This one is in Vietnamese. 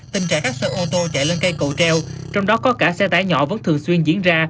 tình trạng các xe ô tô chạy lên cây cầu treo trong đó có cả xe tải nhỏ vẫn thường xuyên diễn ra